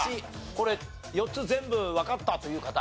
これ４つ全部わかったという方。